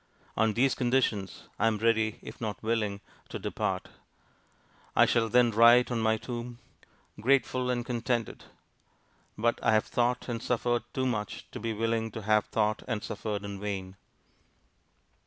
On these conditions I am ready, if not willing, to depart. I shall then write on my tomb GRATEFUL AND CONTENTED! But I have thought and suffered too much to be willing to have thought and suffered in vain.